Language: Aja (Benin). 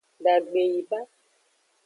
Dagbe yi ba.